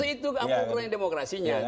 itu apa ukuran demokrasinya